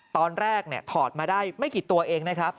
ตอนแรกถอดมาได้ไม่กี่ตัวเองนะครับ